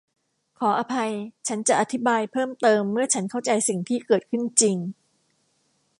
ขออภัยฉันจะอธิบายเพิ่มเติมเมื่อฉันเข้าใจสิ่งที่เกิดขึ้นจริง